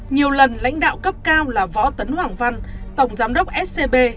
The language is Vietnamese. nhiều lần lãnh đạo cấp cao là võ tấn hoàng văn tổng giám đốc scb